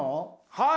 はい。